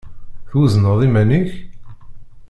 Twezneḍ iman-ik?